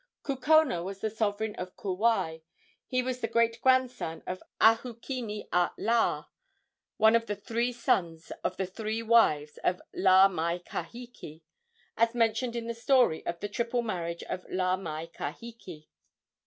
Kukona was the sovereign of Kauai. He was the great grandson of Ahukini a Laa, one of the three sons of the three wives of Laa mai kahiki, as mentioned in the story of "The Triple Marriage of Laa mai kahiki."